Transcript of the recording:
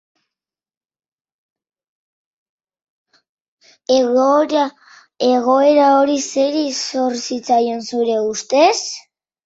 Egoera hori zeri zor zitzaion, zure ustez?